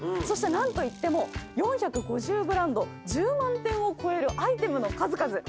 そして何といっても４５０ブランド１０万点を超えるアイテムの数々。